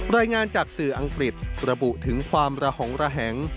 รายงานจากสื่ออังกฤษระบุถึงความระหองระแหง